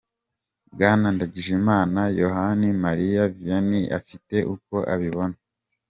Bwana Ndagijimana Yohani Mariya Vianney afite uko abibona.